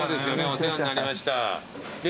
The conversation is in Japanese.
お世話になりました。